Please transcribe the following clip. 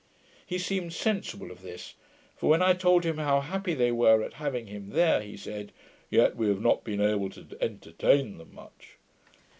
He seemed sensible of this; for when I told him how happy they were at having him there, he said, 'Yet we have not been able to entertain them much.'